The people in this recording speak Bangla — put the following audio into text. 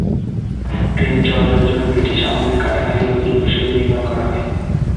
ট্রেন চলাচলের জন্য ব্রিটিশ আমলে কাটাখালী নদীর ওপর সেতু নির্মাণ করা হয়।